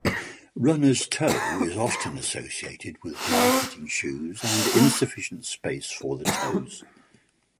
Runner's toe is often associated with malfitting shoes and insufficient space for the toes.